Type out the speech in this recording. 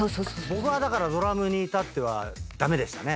僕はドラムに至っては駄目でしたね。